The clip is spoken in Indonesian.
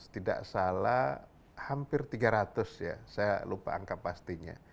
tidak salah hampir tiga ratus ya saya lupa angka pastinya